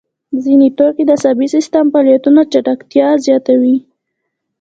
ځیني توکي د عصبي سیستم فعالیتونه چټکتیا زیاتوي.